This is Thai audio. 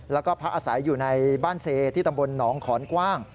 แล้วก็พักอาศัยอยู่ในบ้านเซที่ตำบลหนองขอนกว้าง